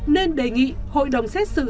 nên đề nghị hội đồng xét xử